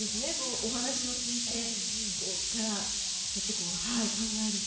お話を聞いてから考えると。